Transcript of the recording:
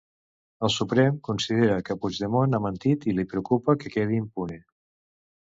El Suprem considera que Puigdemont ha mentit i li preocupa que quedi impune.